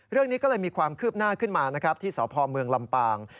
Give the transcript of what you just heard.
เรื่องนี้ก็เลยมีความคืบหน้าขึ้นมานะครับที่สพเมืองลำปาง